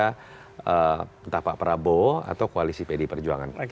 kepada entah pak prabowo atau koalisi pd perjuangan